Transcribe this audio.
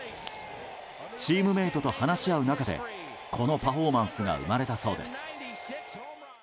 チームメートと話し合う中でこのパフォーマンスが生まれたそうです。